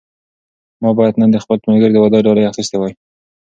ما باید نن د خپل ملګري د واده ډالۍ اخیستې وای.